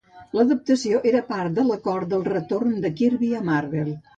L'adaptació era part de l'acord del retorn de Kirby a Marvel.